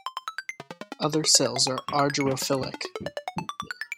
Other cells are "argyrophilic".